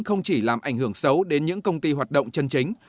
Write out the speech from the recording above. không chỉ làm ảnh hưởng xấu đến những công ty hoạt động chân chính